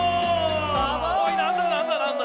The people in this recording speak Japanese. おいなんだなんだなんだ？